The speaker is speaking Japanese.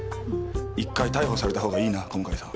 一回逮捕されたほうがいいな小向さん。